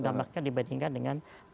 dampaknya dibandingkan dengan